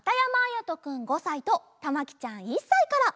やとくん５さいとたまきちゃん１さいから。